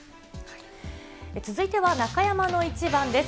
続いては中山のイチバンです。